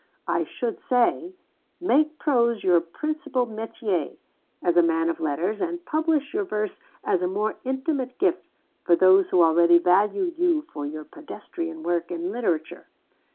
I should say, make prose your principal métier, as a man of letters, and publish your verse as a more intimate gift for those who already value you for your pedestrian work in literature.